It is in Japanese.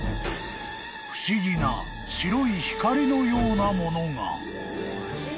［不思議な白い光のようなものが］